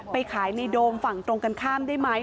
ไปขายในโดมฝั่งตรงกันข้ามได้ไหม